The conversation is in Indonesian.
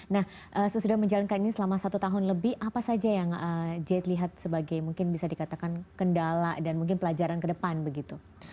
nah sesudah menjalankan karena lagi selama satu tahun lebih apa saja yang jahit lihat sebagai mungkin bisa dikatakan kendala dan pelajaran ke depan gitu